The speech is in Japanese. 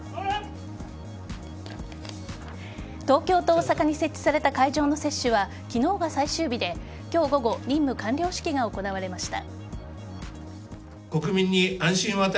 東京と大阪に設置された会場の接種は昨日が最終日で今日午後任務完了式が行われました。